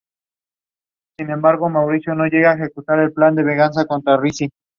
It rises over just south of Lake Vanda.